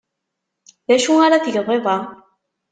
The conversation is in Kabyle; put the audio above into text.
D acu ara tgeḍ iḍ-a?